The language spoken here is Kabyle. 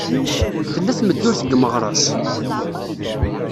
Tella tmeddurt deg Meɣres?